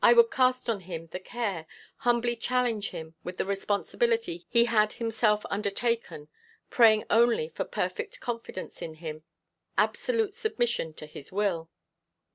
I would cast on him the care, humbly challenge him with the responsibility he had himself undertaken, praying only for perfect confidence in him, absolute submission to his will.